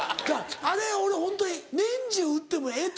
あれ俺ホントに年中売ってもええと。